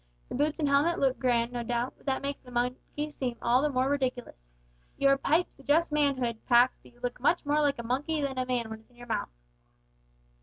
The boots and helmet look grand, no doubt, but that makes the monkey seem all the more ridiculous. Your pipe suggests manhood, Pax, but you look much more like a monkey than a man when it's in your mouth."